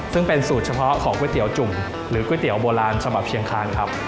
ซึ่งเป็นสูตรเฉพาะของก๋วยเตี๋ยวจุ่มหรือก๋วยเตี๋ยวโบราณฉบับเชียงคานครับ